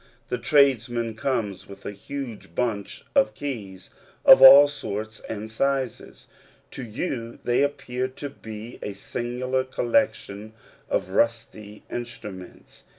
The tradesman comes with a huge bunch of keys of all sorts and sizes. To you they appear to be a singular collection of fusty instru ments.